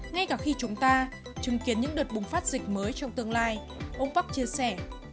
ngay cả khi chúng ta chứng kiến những đợt bùng phát dịch mới trong tương lai ông park chia sẻ